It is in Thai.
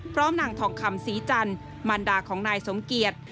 พร้อมนางทองคำสีจันมันดาของนายสมเกียรติ